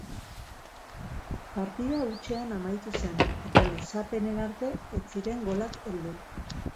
Partida hutsean amaitu zen eta luzapenera arte ez ziren golak heldu.